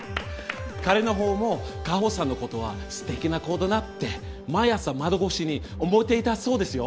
彼のほうも果帆さんのことは素敵な子だなって毎朝窓越しに思っていたそうですよ。